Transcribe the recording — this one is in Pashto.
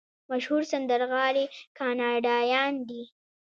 مشهور سندرغاړي کاناډایان دي.